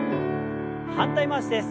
反対回しです。